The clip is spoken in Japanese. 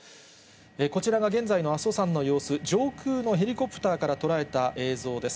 こちらが現在の阿蘇山の様子、上空のヘリコプターから捉えた映像です。